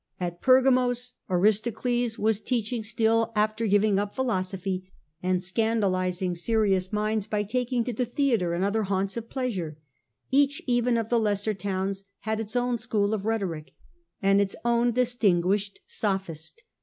At Pergamos, Aristocles was teaching still, after giving up philosophy and scandalizing serious minds by taking to the theatre and other haunts of pleasure. Each even of the lesser towns had its own school of rhetoric, and its own distinguished Sophist.